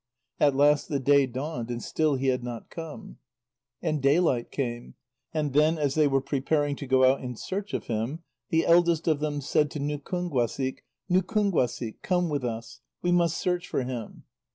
At last the day dawned, and still he had not come. And daylight came, and then as they were preparing to go out in search of him, the eldest of them said to Nukúnguasik: "Nukúnguasik, come with us; we must search for him."